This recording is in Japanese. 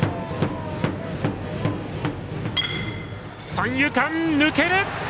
三遊間抜けた！